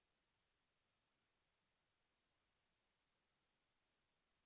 ส่วนข้อมีการหรือเปล่า